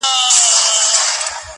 څو به زمان ګرځوي موجونه له بېړیو-